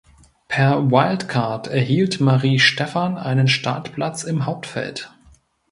Per Wildcard erhielt Marie Stephan einen Startplatz im Hauptfeld.